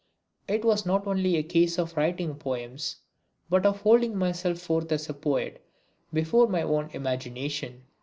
It was not only a case of writing poems, but of holding myself forth as a poet before my own imagination.